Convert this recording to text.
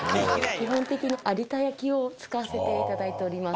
基本的に。を使わせていただいております。